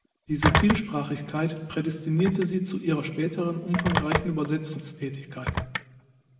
Diese Vielsprachigkeit prädestinierte sie zu ihrer späteren umfangreichen Übersetzungstätigkeit.